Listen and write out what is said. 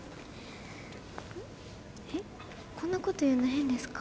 こんなこと言うの変ですか？